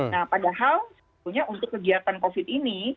nah padahal sebetulnya untuk kegiatan covid ini